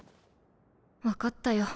分かったよ